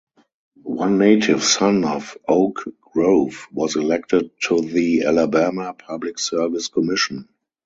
One native son of Oak Grove was elected to the Alabama Public Service Commission.